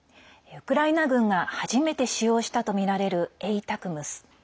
ウクライナ軍が初めて使用したとみられるＡＴＡＣＭＳ。